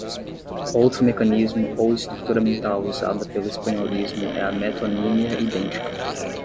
Outro mecanismo ou estrutura mental usada pelo espanholismo é a metonímia idêntica.